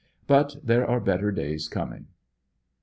But there are better days coming.